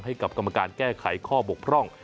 ให้กับกรรมการแก้ไขข้อบกพร่อง